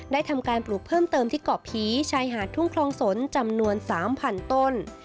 ทำการปลูกเพิ่มเติมที่เกาะผีชายหาดทุ่งคลองสนจำนวน๓๐๐๐ต้น